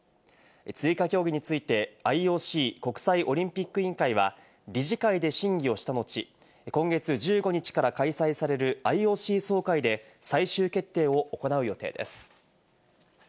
追加競技について、ＩＯＣ＝国際オリンピック委員会は理事会で審議をした後、今月１５日から開催されるＩＯＣ総会で最終決定を行う予定です。